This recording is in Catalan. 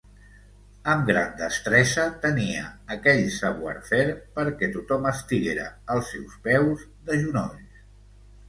Amb gran destresa, tenia aquell savoir-faire perquè tothom estiguera als seus peus, de genolls.